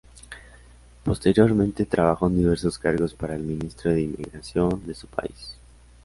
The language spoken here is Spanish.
Posteriormente, trabajó en diversos cargos para el Ministerio de Inmigración de su país.